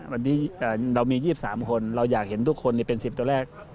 วันนี้เรามี๒๓คนเราอยากเห็นทุกคนเป็น๑๐ตัวแรก